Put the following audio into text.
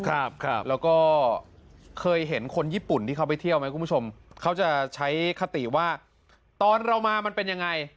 ครับครับแล้วก็เคยเห็นคนญี่ปุ่นที่เขาไปเที่ยวไหมคุณผู้ชมเขาจะใช้คติว่าตอนเรามามันเป็นยังไง